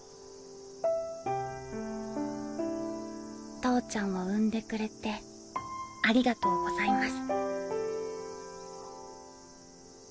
投ちゃんを生んでくれてありがとうございますうわ！